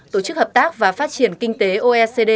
tổ chức hợp tác và phát triển kinh tế oecd